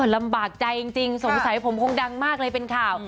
ลำบากใจจริงสงสัยผมคงดังมากเลยเป็นข่าว